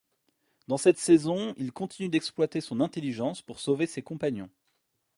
Dans cette saison, il continue d'exploiter son intelligence pour sauver ses compagnons.